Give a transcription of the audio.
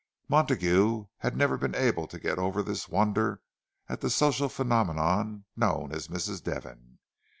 Montague had never been able to get over his wonder at the social phenomenon known as Mrs. Devon.